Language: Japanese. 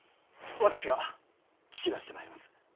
私が聞き出してまいります。